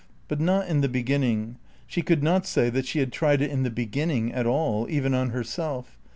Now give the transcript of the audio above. But not in the beginning. She could not say that she had tried it in the beginning at all, even on herself.